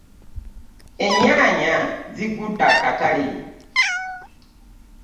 Ennyanja zigudde akatale.